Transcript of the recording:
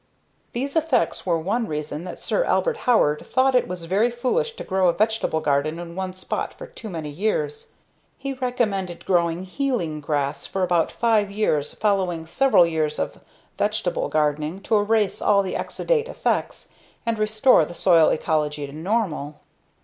These effects were one reason that Sir Albert Howard thought it was very foolish to grow a vegetable garden in one spot for too many years. He recommended growing "healing grass" for about five years following several years of vegetable gardening to erase all the exudate effects and restore the soil ecology to normal.